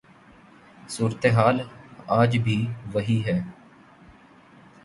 صورت حال آج بھی وہی ہے۔